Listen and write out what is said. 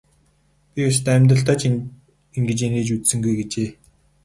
Би ёстой амьдралдаа ч ингэж инээж үзсэнгүй гэжээ.